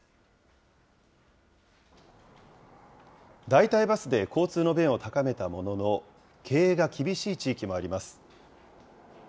代替バスで交通の便を高めたものの、経営が厳しい地域もあります。